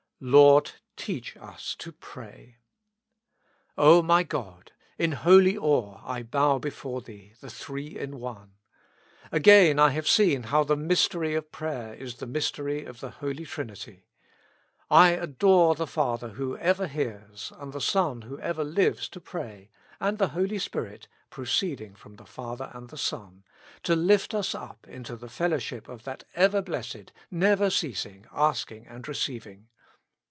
"Lord, teach us to pray." O my God ! in holy awe I bow before Thee, the Three in One. Again I have seen how the mystery of prayer is the mystery of the Holy Trinity. I adore the Father who ever hears, and the Son who ever lives to pray, and the Holy Spirit, proceeding from the Father and the Son, to lift us up into the fellowship of that ever blessed, never ceasing asking and receiving.